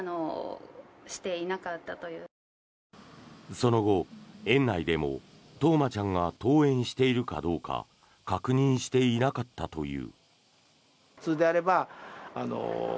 その後、園内でも冬生ちゃんが登園しているかどうか確認していなかったという。